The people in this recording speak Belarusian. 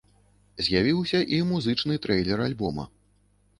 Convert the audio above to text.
З'явіўся і музычны трэйлер альбома.